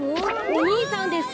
おにいさんです！